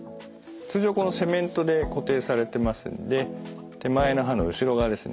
通常このセメントで固定されてますので手前の歯の後ろ側ですね。